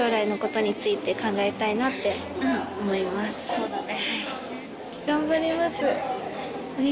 そうだね。